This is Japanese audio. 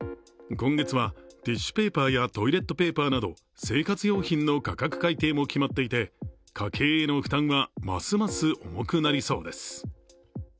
今月はティッシュペーパーやトイレットペーパーなど生活用品の価格改定も決まっていて家計への負担はますます重くなりそうです。